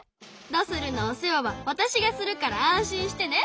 ドスルのお世話はわたしがするから安心してね。